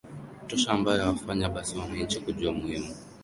tosha ambayo awafanye basi wananchi kujua muhimu